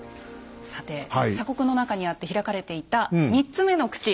さて鎖国の中にあって開かれていた３つ目の口。